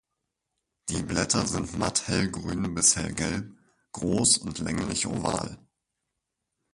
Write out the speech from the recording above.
Die Blätter sind matt hellgrün bis hellgelb, groß und länglich oval.